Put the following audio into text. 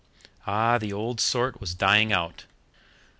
Ah, the old sort was dying out!